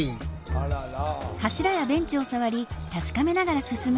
あらら。